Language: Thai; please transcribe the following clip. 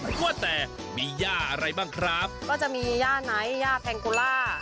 ว่าแต่มีย่าอะไรบ้างครับก็จะมีย่าไนท์ย่าแพงโกล่า